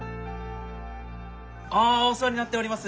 ああお世話になっております